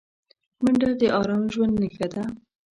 منډه د ارام ژوند نښه ده